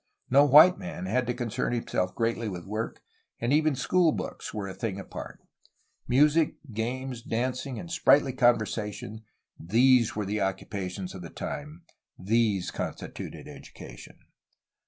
No white man had to concern himself greatly with work, and even school books were a thing apart. Music, games, dancing, and sprightly conversation — these were the occupations of the time — these constituted education.